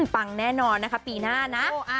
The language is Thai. ปังแน่นอนนะคะปีหน้านะ